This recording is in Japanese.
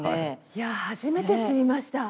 いや初めて知りました。